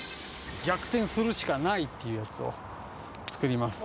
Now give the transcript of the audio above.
逆転するしかないってやつを作ります。